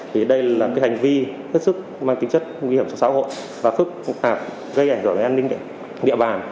thì đây là hành vi rất sức mang tính chất nguy hiểm cho xã hội và phức hạp gây ảnh hưởng đến an ninh địa bàn